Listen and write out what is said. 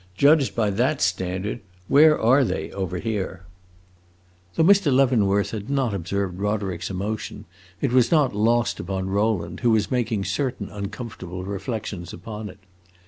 Judged by that standard, where are they, over here?" Though Mr. Leavenworth had not observed Roderick's emotion, it was not lost upon Rowland, who was making certain uncomfortable reflections upon it.